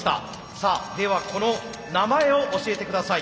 さあではこの名前を教えて下さい。